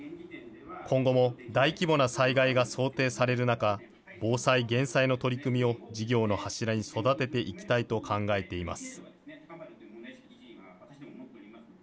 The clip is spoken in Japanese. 今後も大規模な災害が想定される中、防災・減災の取り組みを事業の柱に育てていきたいと考えています。